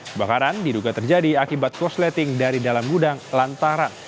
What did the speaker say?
kebakaran diduga terjadi akibat korsleting dari dalam gudang lantaran